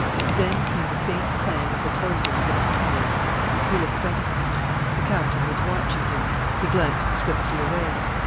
Then came the faint clang of the closing of the pot lid. He looked up. The Captain was watching him. He glanced swiftly away.